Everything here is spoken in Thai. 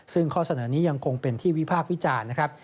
ซึ่งข้อเสนอนี้ยังคงเป็นที่วิพากษ์วิจารณ์นะครับ